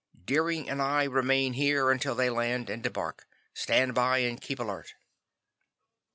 "Deering and I remain here until they land and debark. Stand by and keep alert."